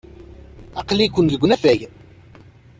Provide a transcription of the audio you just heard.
Aql-iken deg unafag.